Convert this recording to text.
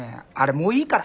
もういいから。